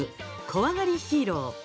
「こわがりヒーロー」。